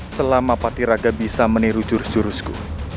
selama patiraga bisa meniru jurus jurusku